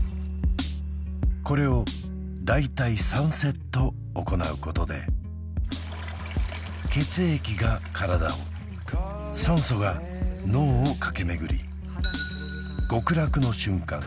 これを大体３セット行うことで血液が体を酸素が脳を駆け巡り極楽の瞬間